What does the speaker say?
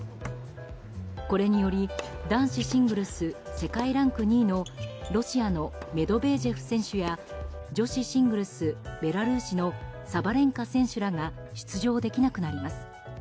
これにより、男子シングルス世界ランク２位のロシアのメドベージェフ選手や女子シングルスベラルーシのサバレンカ選手らが出場できなくなります。